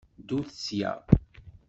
Ddut sya!